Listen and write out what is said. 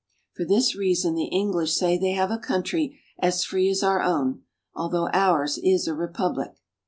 For this reason the English say they have a country as free as our own, although ours is a republic.